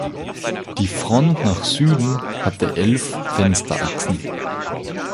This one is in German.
Die Front nach Süden hatte elf Fensterachsen.